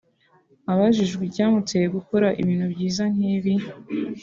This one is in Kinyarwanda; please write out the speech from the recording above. Abajijwe icyamuteye gukora ibintu byiza nk’ibi